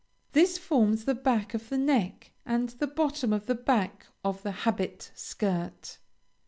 This forms the back of the neck and the bottom of the back of the habit shirt.